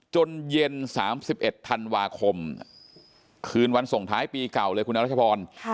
จนเย็น๓๑ธันวาคมคืนวันส่งท้ายปีเก่าเลยคุณอรัชพร